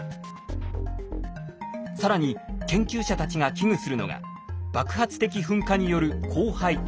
更に研究者たちが危惧するのが爆発的噴火による降灰。